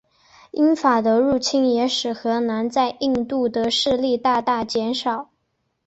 英法的入侵也使荷兰在印度的势力大大减少。